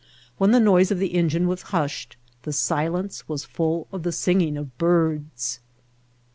When the noise of the engine w^as hushed the silence was full of the singing of birds.